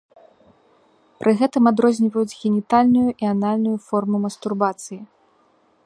Пры гэтым адрозніваюць генітальную і анальную формы мастурбацыі.